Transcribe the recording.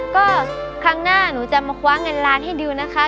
ก็ครั้งหน้าหนูจะมาคว้าเงินล้านให้ดิวนะคะ